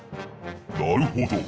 なるほど。